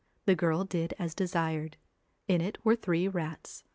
The girl did as desired. In it were three rats.